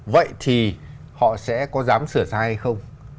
vậy thì họ sẽ có dám sửa sai hay không